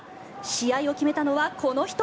試合を決めたのはこの人。